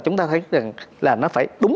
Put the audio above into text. chúng ta thấy rằng là nó phải